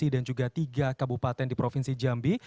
dan juga tiga kabupaten di provinsi jambi